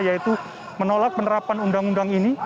yaitu menolak penerapan undang undang ini